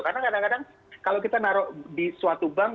karena kadang kadang kalau kita naruh di suatu bank